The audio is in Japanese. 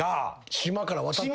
島から渡ってきた。